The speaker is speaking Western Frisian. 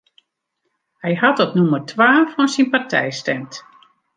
Hy hat op nûmer twa fan syn partij stimd.